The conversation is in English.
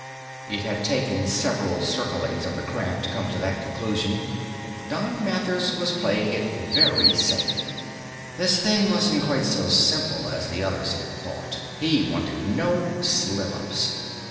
It had taken several circlings of the craft to come to that conclusion. Don Mathers was playing it very safe. This thing wasn't quite so simple as the others had thought. He wanted no slip ups.